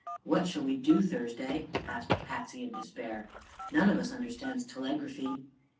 "What shall we do, Thursday?" asked Patsy in despair. "None of us understands telegraphy."